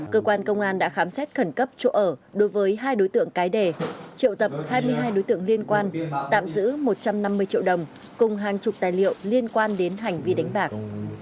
cơ quan công an đã khám xét khẩn cấp chỗ ở đối với hai đối tượng cái đề triệu tập hai mươi hai đối tượng liên quan tạm giữ một trăm năm mươi triệu đồng cùng hàng chục tài liệu liên quan đến hành vi đánh bạc